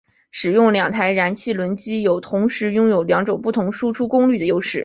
使用两台燃气轮机有同时拥有两种不同输出功率的优势。